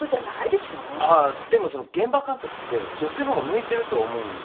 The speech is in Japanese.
あっでもその現場監督って女性の方が向いてると思うんですよね。